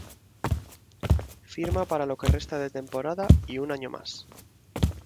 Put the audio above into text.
Firma para lo que resta de temporada y un año más.